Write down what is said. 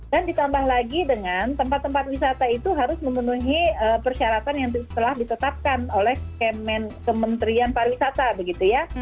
dan ditambah lagi dengan tempat tempat wisata itu harus memenuhi persyaratan yang telah ditetapkan oleh kementerian pariwisata